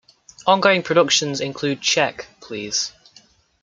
Ongoing productions include Check, Please!